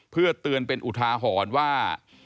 เพื่อเตือนเป็นอุทาหรณ์ว่า